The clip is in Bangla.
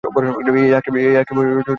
এই আক্ষেপ রয়ে গেছে তাঁর।